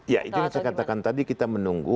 ya itu yang saya katakan tadi kita menunggu